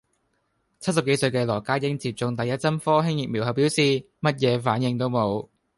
七十幾歲嘅羅家英接種第一針科興疫苗後表示：乜嘢反應都冇